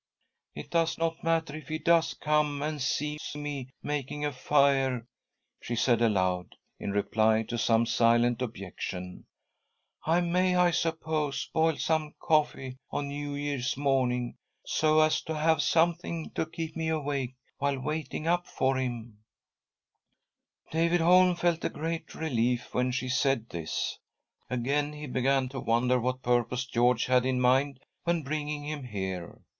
" It does not matter if he does come and sees me making a fire," she said aloud, in reply to some silent objection. " I may, I suppose, boil some coffee on New Year's morning, so as to have ■■ 1 .■■".■'.. i ■■ DAVID HOLM RETURNS TO PRISON 175 something to keep .me awake while waiting up for him." ■■ ;SS^ : David Holm felt a great relief^when she said this. Again he began to wonder what purpose George had in mind when bringing him here.